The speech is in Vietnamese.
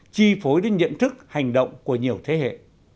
chi phối đến nhận thức hành động của nhiều thế hệ